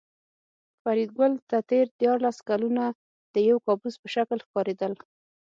فریدګل ته تېر دیارلس کلونه د یو کابوس په شکل ښکارېدل